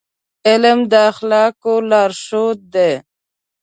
علم د اخلاقو لارښود دی.